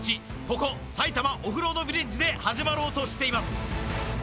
ここ埼玉オフロードヴィレッジで始まろうとしています